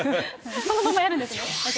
そのままやるんですね。